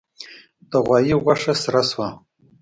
د غوايي غوښه سره شوه.